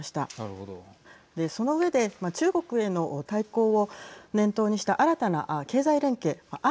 その上で中国への対抗を念頭にした新たな経済連携